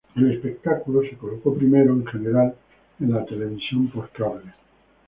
El espectáculo se colocó primero en general en la televisión por cable.